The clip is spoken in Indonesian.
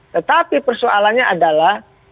tetapi persoalannya adalah